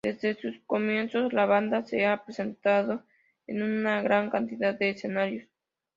Desde sus comienzos la banda se ha presentado en una gran cantidad de escenarios.